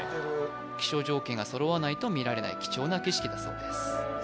気象条件が揃わないと見られない貴重な景色だそうです